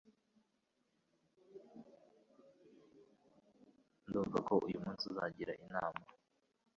Ndumva ko uyu munsi uzagira inama